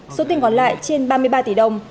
số tiền còn lại trên ba mươi ba tỷ đồng